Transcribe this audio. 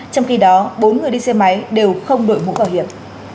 trong khi đó bốn người đi xe máy đều không đội mũ khảo hiểm